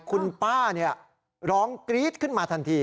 คุณป้าร้องกรี๊ดขึ้นมาทันที